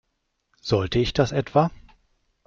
Sollte ich das etwa?